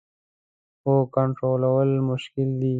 هو، کنټرول مشکل دی